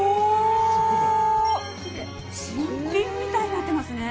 新品みたいになってますね！